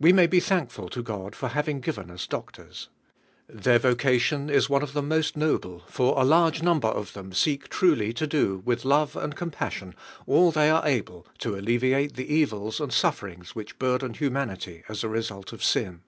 WE may be thankful to God for hav ing given cts doctors. Their "voca tion is one of the most noble, for a large number of them seek truly to do, with love and compassion,, all they are able to alleviate the evils and sufferings which burden humanity as a result of sin.